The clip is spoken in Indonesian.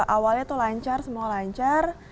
awalnya tuh lancar semua lancar